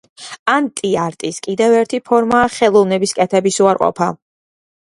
ანტი-არტის კიდევ ერთი ფორმაა ხელოვნების კეთების უარყოფა.